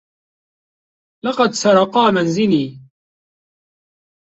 لقد سرقا منزلي.